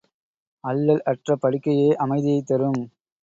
அல்லல் அற்ற படுக்கையே அமைதியைத் தரும்.